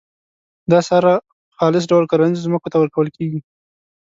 دا سره په خالص ډول کرنیزو ځمکو ته ورکول کیږي.